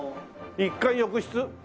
「１階浴室」？